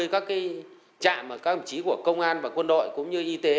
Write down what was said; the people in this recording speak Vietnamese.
ba mươi các trạm các ẩm trí của công an và quân đội cũng như y tế